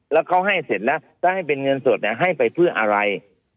แล้วเขาให้เสร็จแล้วถ้าให้เป็นเงินสดให้ไปเพื่ออะไร